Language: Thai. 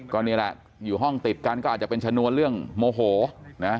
ก็นี่แหละอยู่ห้องติดกันก็อาจจะเป็นชนวนเรื่องโมโหนะ